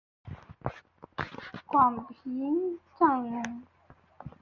广平酂人。